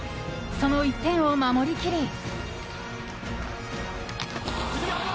その１点を守りきり。